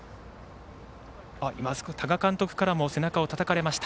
多賀監督からも背中をたたかれました。